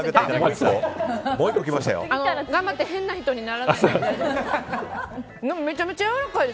頑張って変な人にならないでください。